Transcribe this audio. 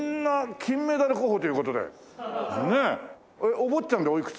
お坊ちゃんでおいくつ？